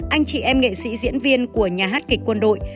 anh chị em nghệ sĩ diễn viên của nhà hát kịch quân đội